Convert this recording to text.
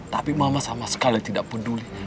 tapi mama sama sekali tidak peduli